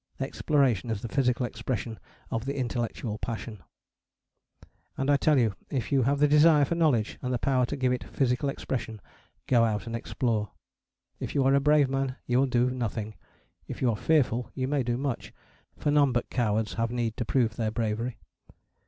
Exploration is the physical expression of the Intellectual Passion. And I tell you, if you have the desire for knowledge and the power to give it physical expression, go out and explore. If you are a brave man you will do nothing: if you are fearful you may do much, for none but cowards have need to prove their bravery.